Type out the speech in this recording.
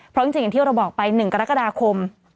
เพราะจริงอย่างที่เราบอกไป๑กรกฎาคม